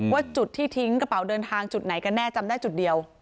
ว่าจุดที่ทิ้งกระเป๋าเดินทางจุดไหนกันแน่จำได้จุดเดียว